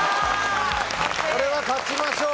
これは勝ちましょう。